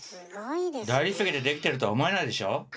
大理石でできてるとは思えないでしょ